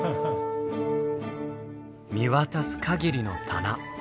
見渡す限りの棚。